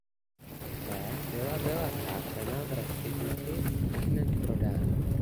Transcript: Poté byla vila vrácena v restituci a ihned prodána.